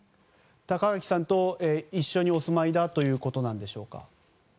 高垣さんと一緒にお住まいということなんでしょうか？